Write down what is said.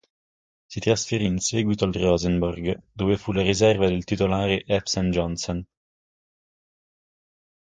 Si trasferì in seguito al Rosenborg, dove fu la riserva del titolare Espen Johnsen.